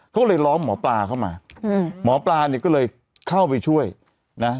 เขาก็เลยร้องหมอปลาเข้ามาอืมหมอปลาเนี่ยก็เลยเข้าไปช่วยนะ